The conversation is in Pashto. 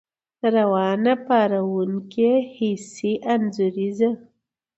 روانه، پارونکې، ، حسي، انځوريزه